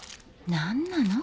何なの？